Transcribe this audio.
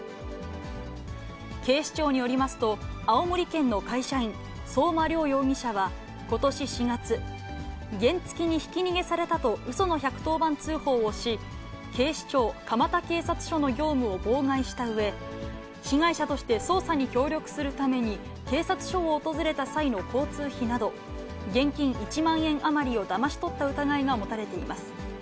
警視庁によりますと、青森県の会社員、相馬諒容疑者はことし４月、原付きにひき逃げされたとうその１１０番通報をし、警視庁蒲田警察署の業務を妨害したうえ、被害者として捜査に協力するために、警察署を訪れた際の交通費など、現金１万円余りをだまし取った疑いが持たれています。